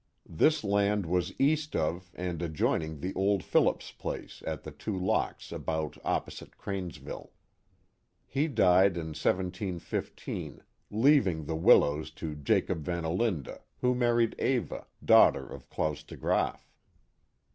This land was east of and ad joining the old Phillips place at the two locks about opposite Cranesville. He died in 171 5, leaving the Willows to Jacob Van Olinda, who married Eva, daughter of Claus DeGraaf.